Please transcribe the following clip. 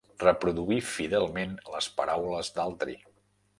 Reproduir fidelment les paraules d'altri.